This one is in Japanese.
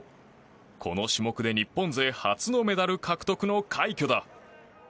この種目で日本勢初のメダル獲得の快挙だ。